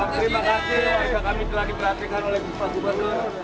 terima kasih kami telah diperhatikan oleh pak gubernur